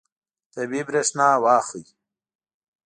طبیعي برېښنا واخلئ.